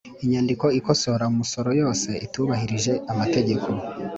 Inyandiko ikosora umusoro yose itubahirije amategeko.